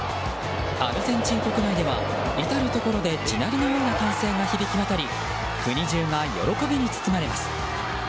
アルゼンチン国内では至るところで地鳴りのような歓声が響き渡り国中が喜びに包まれます。